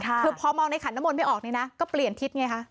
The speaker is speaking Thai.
คือพอมองในขันน้ำมนต์ไม่ออกนี่นะก็เปลี่ยนทิศไงคะ